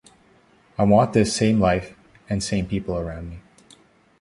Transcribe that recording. I want this same life, and same people around me.